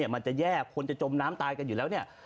มันจะแย่คนจะจมน้ำตายกันอยู่แล้วเนี่ย